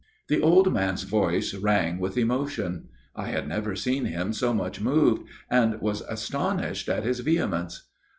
The old man's voice rang with emotion. I had never seen him so much moved, and was astonished at his vehemence.